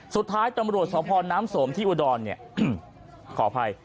สุดท้ายตำรวจสพน้ำสมที่อุดรเนี่ยขออภัย